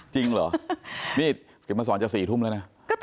จริงเหรอนี่เขียนมาสอนจะ๔ทุ่มแล้วนะ